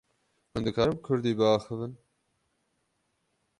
Hûn dikarin bi Kurdî biaxivin?